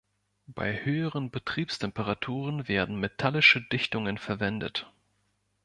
Bei höheren Betriebstemperaturen werden metallische Dichtungen verwendet.